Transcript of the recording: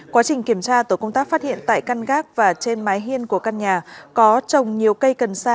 quá trình kiểm tra tổ công tác phát hiện tại căn gác và trên mái hiên của căn nhà có trồng nhiều cây cần sa